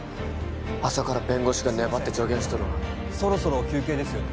朝から弁護士が粘って助言しとるわそろそろ休憩ですよね